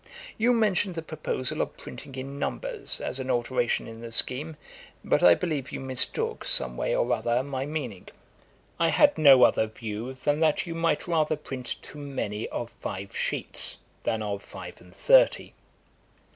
'You mentioned the proposal of printing in numbers, as an alteration in the scheme, but I believe you mistook, some way or other, my meaning; I had no other view than that you might rather print too many of five sheets, than of five and thirty.